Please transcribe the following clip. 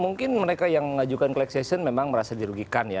mungkin mereka yang ngajukan kelas aksion memang merasa dirugikan ya